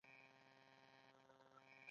ککړه هوا د تنفسي ناروغیو او سالنډۍ لامل کیږي